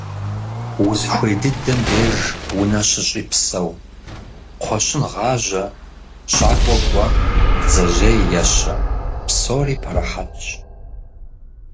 Узыхуей дыдэм деж унэ щыщӀи псэу: кхъуэщын гъажьэ, щакӀуэ кӀуэ, бдзэжьей ещэ. Псори пэрыхьэтщ.